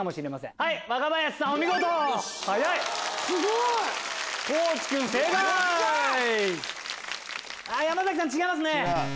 よっしゃ山崎さん違いますね。